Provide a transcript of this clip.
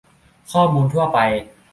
ข้อมูลทั่วไป